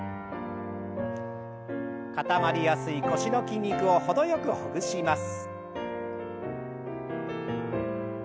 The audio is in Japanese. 固まりやすい腰の筋肉を程よくほぐします。